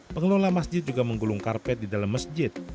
pengelola masjid juga menggulung karpet di dalam masjid